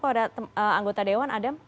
kalau ada anggota dewan adam